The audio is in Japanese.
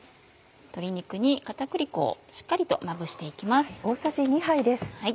鶏肉に片栗粉をしっかりとまぶして行きます。